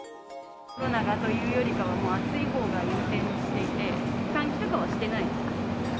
コロナがというよりも、暑い方が優先していて、換気とかはしてないです。